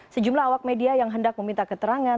sejumlah awak media yang hendak meminta keterangan